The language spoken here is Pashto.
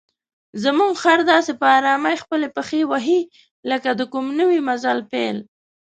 زموږ خر داسې په آرامۍ خپلې پښې وهي لکه د کوم نوي مزل پیل.